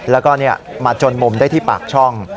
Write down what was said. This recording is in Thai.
แล้วก็มาจนมุมได้ที่ปากช่อง